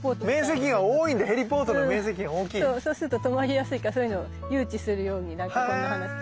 そうすると止まりやすいからそういうのを誘致するようになったこの花。